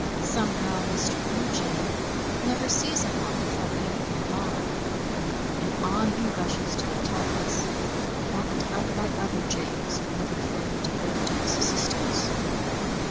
Somehow Mr. Blue Jay never sees a Hawk without giving the alarm, and on he rushes to attack us, backed up by other Jays who never fail to go to his assistance.